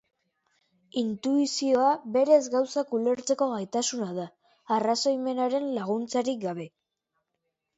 Intuizioa berez gauzak ulertzeko gaitasuna da, arrazoimenaren laguntzik gabe.